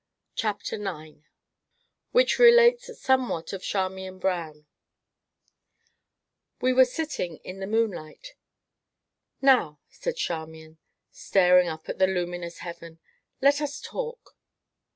CHAPTER IX WHICH RELATES SOMEWHAT OF CHARMIAN BROWN We were sitting in the moonlight. "Now," said Charmian, staring up at the luminous heaven, "let us talk."